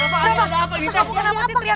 rafa ada apa